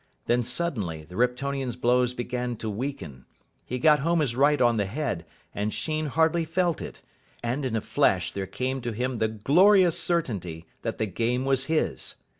Then suddenly the Riptonian's blows began to weaken. He got home his right on the head, and Sheen hardly felt it. And in a flash there came to him the glorious certainty that the game was his.